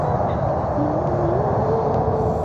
楚王想知道他是否思念越国。